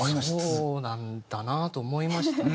そうなんだなと思いましたね。